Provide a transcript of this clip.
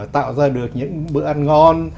tạo ra được những bữa ăn ngon